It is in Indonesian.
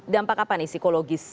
dampak apa nih psikologis